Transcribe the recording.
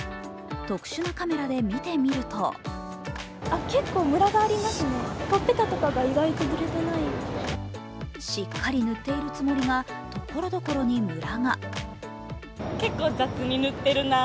特殊なカメラで見てみるとしっかり塗っているつもりがところどころにムラが。